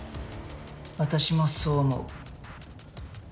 私もそう思う。